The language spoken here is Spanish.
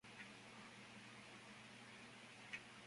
El epíteto "moorei" fue nombrado en honor del botánico Charles Moore.